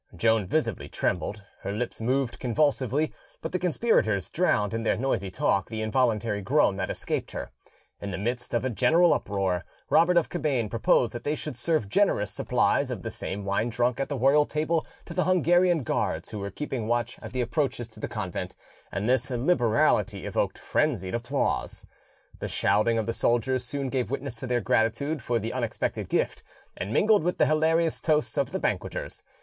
Joan visibly trembled, her lips moved convulsively; but the conspirators drowned in their noisy talk the involuntary groan that escaped her. In the midst of a general uproar, Robert of Cabane proposed that they should serve generous supplies of the same wine drunk at the royal table to the Hungarian guards who were keeping watch at the approaches to the convent, and this liberality evoked frenzied applause. The shouting of the soldiers soon gave witness to their gratitude for the unexpected gift, and mingled with the hilarious toasts of the banqueters.